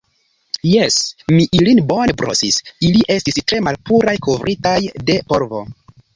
Jes, mi ilin bone brosis; ili estis tre malpuraj kovritaj de polvo.